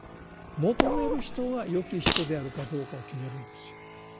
求める人が「よき人」であるかどうかを決めるんですよ。